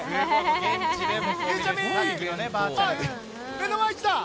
目の前に来た。